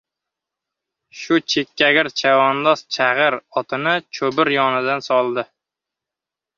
shu chekkagir chavandoz chag‘ir otini Cho‘bir yonidan soldi.